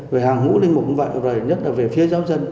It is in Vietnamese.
về hàng hũ linh mục cũng vậy nhất là về phía giáo dân